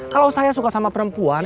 kalau saya suka sama perempuan